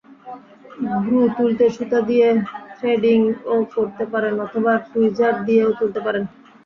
ভ্রু তুলতে সুতা দিয়ে থ্রেডিংও করতে পারেন অথবা টুইজার দিয়েও তুলতে পারেন।